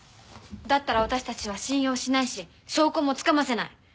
だったら私たちは信用しないし証拠もつかませない。